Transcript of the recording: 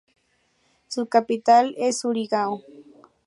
Su capital es Surigao.